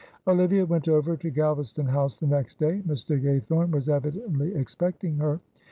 Olivia went over to Galvaston House the next day. Mr. Gaythorne was evidently expecting her.